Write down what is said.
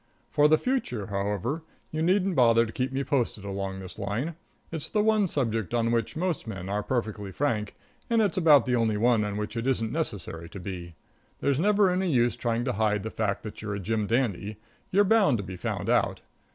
For the future, however, you needn't bother to keep me posted along this line. It's the one subject on which most men are perfectly frank, and it's about the only one on which it isn't necessary to be. There's never any use trying to hide the fact that you're a jim dandy you're bound to be found out.